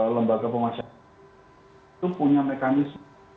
lembaga pemasyarakatan itu punya mekanisme